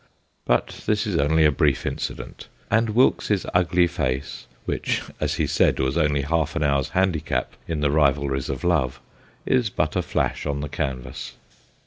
But this is only a brief incident, and Wilkes's ugly face, which, as he said, was only half an hour's handicap in the rivalries of love, is but a flash on the canvas.